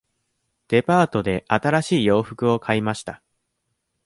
デパートで新しい洋服を買いました。